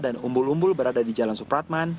dan umbul umbul berada di jalan supratman